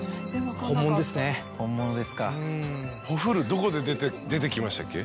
どこで出てきましたっけ？